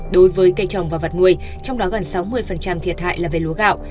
đối với cây trồng và vật nuôi trong đó gần sáu mươi thiệt hại là về lúa gạo